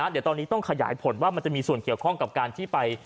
เดี๋ยวตอนนี้ต้องขยายผลว่ามันจะมีส่วนเกี่ยวข้องกับการที่ไป